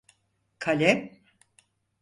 Kalem?